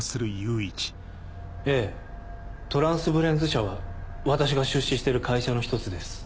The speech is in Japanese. ええトランスブレインズ社は私が出資してる会社の一つです。